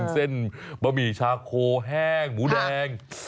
เส้นบะหมี่ชาโคแห้งหมูแดง